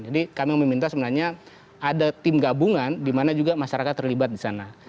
jadi kami meminta sebenarnya ada tim gabungan di mana juga masyarakat terlibat di sana